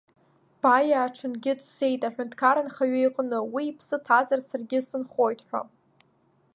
Баииа аҽынгьы дцеит аҳәынҭқар анхаҩы иҟны, уи иԥсы ҭазар, саргьы сынхоит ҳәа.